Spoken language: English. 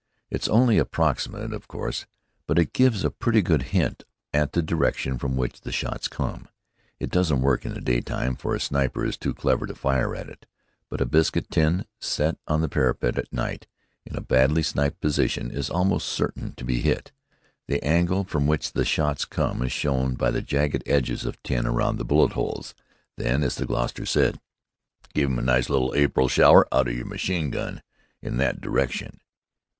It's only approximate, of course, but it gives a pretty good hint at the direction from which the shots come. It doesn't work in the daytime, for a sniper is too clever to fire at it. But a biscuit tin, set on the parapet at night in a badly sniped position, is almost certain to be hit. The angle from which the shots come is shown by the jagged edges of tin around the bullet holes. Then, as the Gloucester said, "Give 'im a nice little April shower out o' yer machine gun in that direction.